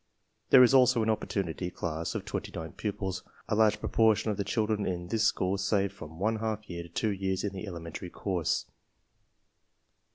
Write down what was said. There is also an opportunity class of 29 pupils. A large propor tion of the children in this school save from one half year to two years in the elementary course.